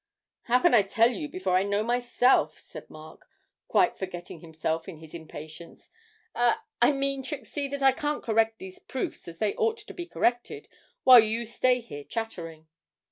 'How can I tell you before I know myself,' said Mark, quite forgetting himself in his impatience. 'I I mean, Trixie, that I can't correct these proofs as they ought to be corrected while you stay here chattering.'